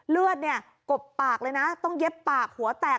เลือดเนี่ยกบปากเลยนะต้องเย็บปากหัวแตก